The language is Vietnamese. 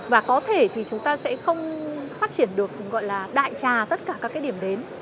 và có thể thì chúng ta sẽ không phát triển được gọi là đại trà tất cả các cái điểm đến